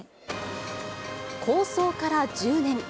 構想から１０年。